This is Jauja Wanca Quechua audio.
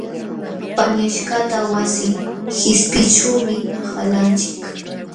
Panyaśhkaqta wasi qishpiyćhuumi qalanchik.